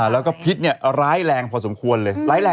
แล้วก็เลยไปบอกว่า